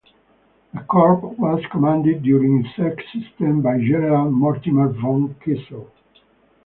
The Corps was commanded during its existence by General Mortimer von Kessel.